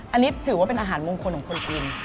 อันนี้ถือว่าเป็นอาหารมงคลของคนจีน